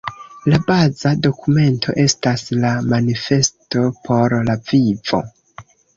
La baza dokumento estas la “Manifesto por la vivo“.